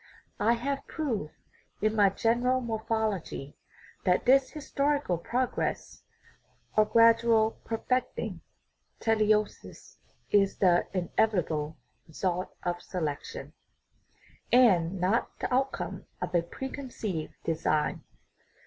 I have proved in my General Morphology that this historical progress or gradual perfecting (teleosis) is the inevitable re sult of selection, and not the outcome of a preconceived design.